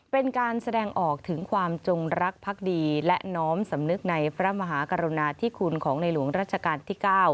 เป็นการแสดงออกถึงความจงรักพักดีและน้อมสำนึกในพระมหากรุณาธิคุณของในหลวงรัชกาลที่๙